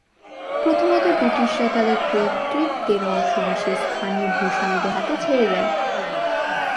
প্রথমত, ব্রিটিশরা তাদের কর্তৃত্বের অংশবিশেষ স্থানীয় ভূস্বামীদের হাতে ছেড়ে দেয়।